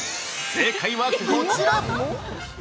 ◆正解はこちら！